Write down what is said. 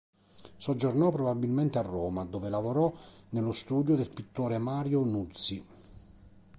Soggiornò probabilmente a Roma, dove lavorò nello studio del pittore Mario Nuzzi.